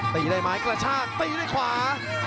ตีได้มาอีกละช่างตีด้วยขวา